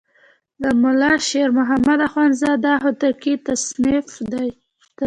د ملا شیر محمد اخوندزاده هوتکی تصنیف دی.